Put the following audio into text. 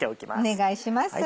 お願いします。